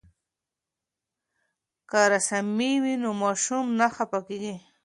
که رسامي وي نو ماشوم نه خفه کیږي.